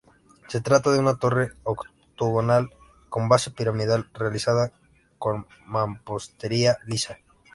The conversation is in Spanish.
Se trata de una torre octogonal con base piramidal realizada con mampostería lisa.